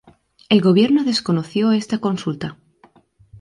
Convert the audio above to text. El gobierno desconoció esta consulta.